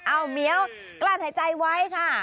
เอ้าเมี๊ยวกล้าดหายใจไว้ค่ะ